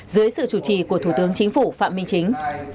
dưới sự chủ trì của thủ tướng chính phủ phạm minh chính